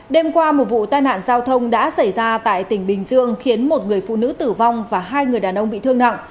đêm qua một vụ tai nạn giao thông đã xảy ra tại tỉnh bình dương khiến một người phụ nữ tử vong và hai người đàn ông bị thương nặng